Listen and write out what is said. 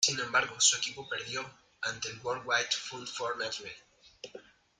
Sin embargo, su equipo perdió ante el World Wide Fund for Nature.